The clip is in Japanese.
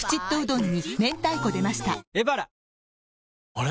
あれ？